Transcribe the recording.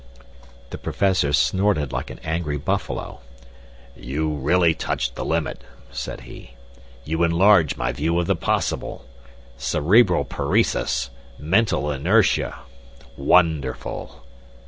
The Professor snorted like an angry buffalo. "You really touch the limit," said he. "You enlarge my view of the possible. Cerebral paresis! Mental inertia! Wonderful!"